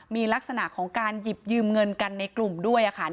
มีลักษณะของการหยิบยืมเงินกันในกลุ่มด้วยค่ะ